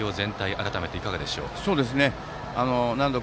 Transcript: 改めていかがでしょう？